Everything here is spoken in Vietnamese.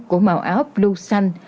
của màu áo blue xanh